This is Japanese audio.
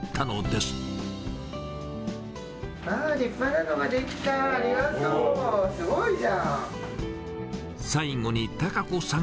すごいじゃん。